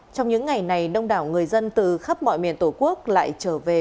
trong những ngày này đông đảo người dân từ khắp mọi miền tổ quốc lại trở về